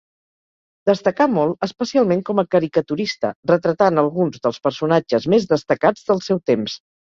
Destacà molt especialment com a caricaturista, retratant alguns dels personatges més destacats del seu temps.